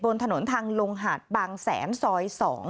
บนถนนทางลงหาดบางแสนซอย๒